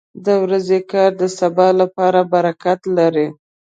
• د ورځې کار د سبا لپاره برکت لري.